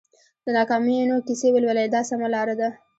د ناکامیونو کیسې ولولئ دا سمه لار ده.